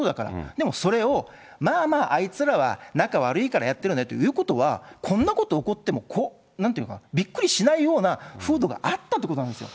でもそれを、まあまあ、あいつらは仲悪いからやってるよねっていうことは、こんなこと起こっても、なんていうのか、びっくりしないような風土があったということなんですよ。